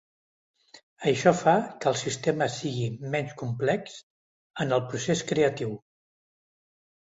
Això fa que el sistema sigui menys complex en el procés creatiu.